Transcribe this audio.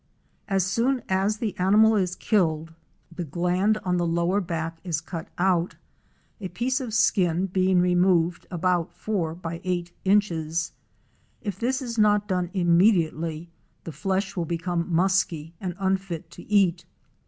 As soon as the animal is killed, the gland 256 OUR SEARCH FOR A WILDERNESS. on the lower back is cut out, a piece of skin being removed about four by eight inches. If this is not done immediately, the flesh will become musky and unfit to eat.